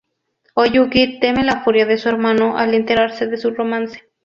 Oyuki teme la furia de su hermano al enterarse de su romance.